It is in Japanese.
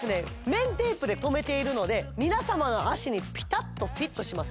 面テープで留めているので皆様の脚にピタッとフィットします